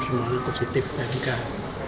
semuanya positif dan ikat